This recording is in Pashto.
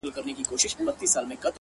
په وينو لژنده اغيار وچاته څه وركوي،